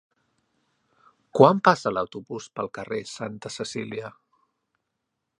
Quan passa l'autobús pel carrer Santa Cecília?